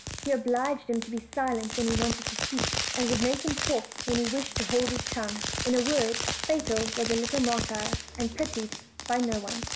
He obliged him to be silent when he wanted to speak, and would make him talk when he wished to hold his tongue; in a word, Fatal was a little martyr, and pitied by no one.